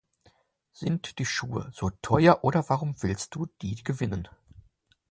Sind die Schuhe so teuer oder warum willst du die gewinnen?